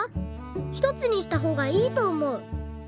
ひとつにしたほうがいいとおもう」。